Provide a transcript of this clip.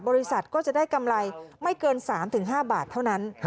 บริษัทก็จะได้กำไรไม่เกิน๓๕บาทเท่านั้น